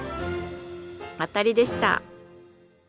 当たりでした。